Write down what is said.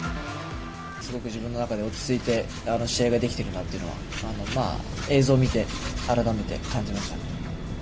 すごく自分の中で落ち着いて試合ができてるなというのは、まあ、映像を見て改めて感じました。